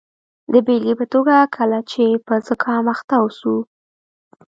د بیلګې په توګه کله چې په زکام اخته اوسو.